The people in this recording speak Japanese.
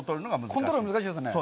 コントロールが難しいですね。